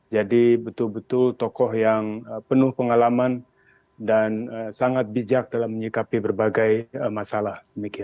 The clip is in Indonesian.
jadi betul betul tokoh yang penuh pengalaman dan sangat bijak dalam menyikapi berbagai masalah